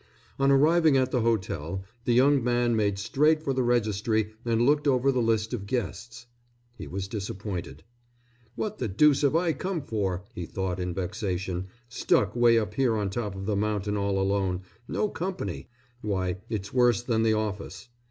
On arriving at the hotel, the young man made straight for the registry and looked over the list of guests. He was disappointed. "What the deuce have I come here for?" he thought in vexation. "Stuck 'way up here on top of the mountain all alone, no company; why it's worse than the office.